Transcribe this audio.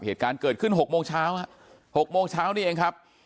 เหตุการณ์เกิดขึ้น๖โมงเช้านี่เองครับ